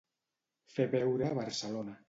Fer veure Barcelona.